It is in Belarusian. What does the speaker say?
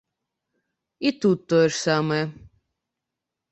І тут тое ж самае.